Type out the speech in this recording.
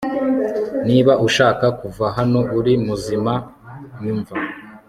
Niba ushaka kuva hano uri muzima nyumva